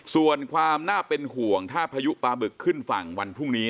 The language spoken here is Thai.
ส่วนความน่าเป็นห่วงถ้าพายุปลาบึกขึ้นฝั่งวันพรุ่งนี้